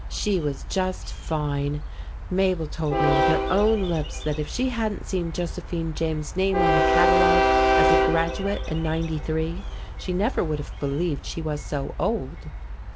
She was just fine. Mabel told me with her own lips that if she hadn't seen Josephine James's name on the catalogue as a graduate in '93, she never would have believed she was so old.